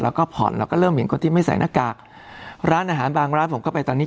แล้วก็ผ่อนแล้วก็เริ่มเห็นคนที่ไม่ใส่หน้ากากร้านอาหารบางร้านผมก็ไปตอนนี้